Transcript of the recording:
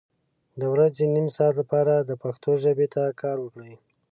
د ورځې نیم ساعت لپاره د پښتو ژبې ته کار وکړئ